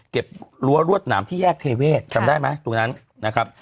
รั้วรวดหนามที่แยกเทเวศจำได้ไหมตรงนั้นนะครับ